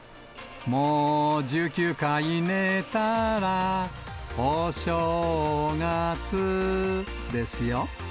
もう１９回寝たらお正月ですよ。